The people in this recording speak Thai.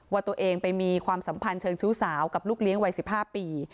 ว่าตัวเองไปมีความสัมพันธ์เชิงชู้สาวกับลูกเลี้ยงวัย๑๕ปี